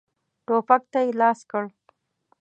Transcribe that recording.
ټوپک ته یې لاس کړ.